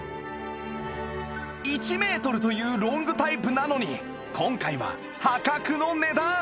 １メートルというロングタイプなのに今回は破格の値段！